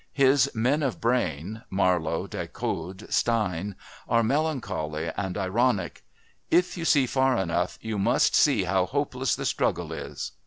His men of brain Marlowe, Decoud, Stein are melancholy and ironic: "If you see far enough you must see how hopeless the struggle is."